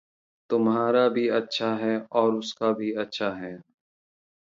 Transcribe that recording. तुम्हारा भी अच्छा है और उसका भी अच्छा है।